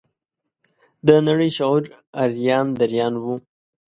د نړۍ شعور اریان دریان و.